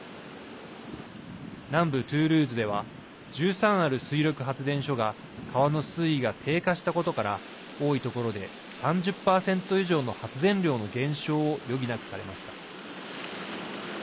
南部トゥールーズでは１３ある水力発電所が川の水位が低下したことから多いところで３０％以上の発電量の減少を余儀なくされました。